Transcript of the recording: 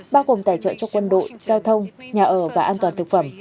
bao gồm tài trợ cho quân đội giao thông nhà ở và an toàn thực phẩm